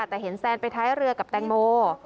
แต่เห็นแซนไปท้ายเรือกับแตงโม